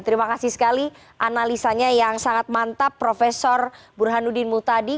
terima kasih sekali analisanya yang sangat mantap prof burhanuddin mutadi